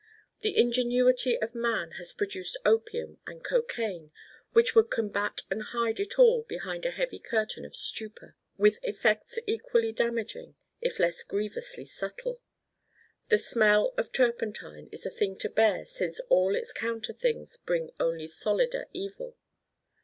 The ingenuity of man has produced opium and cocaine which would combat and hide it all behind a heavy curtain of stupor, with effects equally damaging if less grievously subtle. The Smell of Turpentine is a thing to bear since all its counter things bring only solider evil.